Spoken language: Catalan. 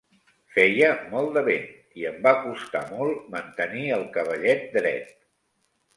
Feia molt de vent i em va costar molt mantenir el cavallet dret.